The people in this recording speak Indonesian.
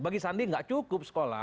bagi sandi nggak cukup sekolah